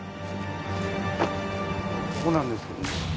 ここなんですけど。